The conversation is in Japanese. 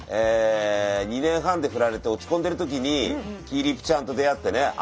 ２年半でフラれて落ち込んでる時にきぃぃりぷちゃんと出会ってね